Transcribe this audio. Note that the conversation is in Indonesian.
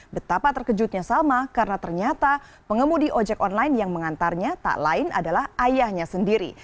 betapa terkejutnya salma karena ternyata pengemudi ojek online yang mengantarnya tak lain adalah ayahnya sendiri